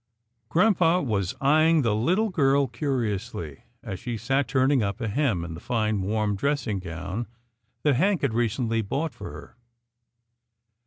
Grampa was eyeing the little girl curiously, as she sat turning up a hem in the fine, warm dress ing gown that Hank had recently bought for him.